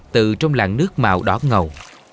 từ trong làng nước màu đỏ ngầu